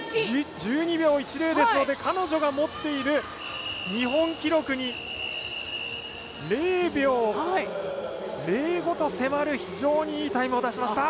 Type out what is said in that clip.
１２秒１０ですので彼女が持っている日本記録に０秒０５と迫る非常にいいタイムを出しました。